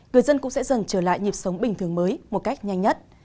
người dân cũng sẽ dần trở lại nhịp sống bình thường mới một cách nhanh nhất